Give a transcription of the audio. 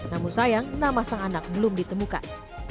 namun sayang nama sang anak belum ditemukan